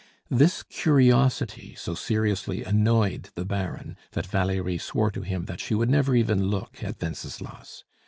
This curiosity so seriously annoyed the Baron that Valerie swore to him that she would never even look at Wenceslas.